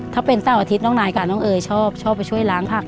ถ้าเป็นเสาร์อาทิตย์น้องนายกับน้องเอ๋ยชอบไปช่วยล้างผัก